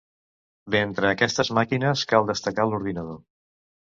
D'entre aquestes màquines cal destacar l'ordinador.